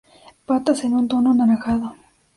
Patas en un tono anaranjado.